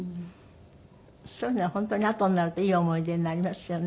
そういうのは本当にあとになるといい思い出になりますよね。